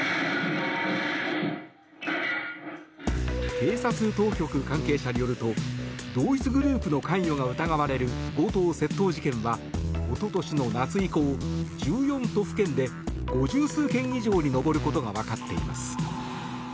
警察当局関係者によると同一グループの関与が疑われる強盗・窃盗事件は一昨年の夏以降１４都府県で、五十数件以上に上ることが分かっています。